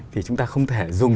thì chúng ta không thể dùng